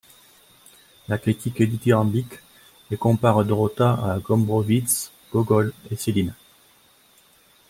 La critique est dithyrambique et compare Dorota à Gombrowicz, Gogol et Céline.